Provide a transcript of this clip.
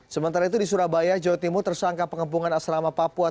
sementara itu di surabaya jawa timur tersangka pengepungan asrama papua